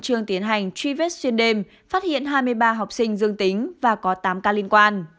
trường tiến hành truy vết xuyên đêm phát hiện hai mươi ba học sinh dương tính và có tám ca liên quan